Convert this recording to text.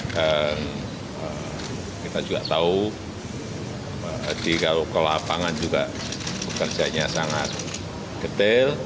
dan kita juga tahu pak hati kalau ke lapangan juga bekerjanya sangat ketil